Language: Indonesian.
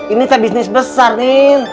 ini teh bisnis besar nin